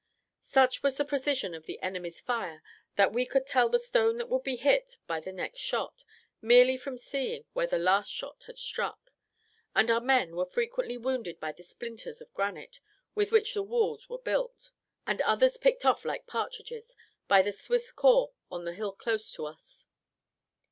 Such was the precision of the enemy's fire, that we could tell the stone that would be hit by the next shot, merely from seeing where the last had struck, and our men were frequently wounded by the splinters of granite with which the walls were built, and others picked off like partridges, by the Swiss corps on the hill close to us.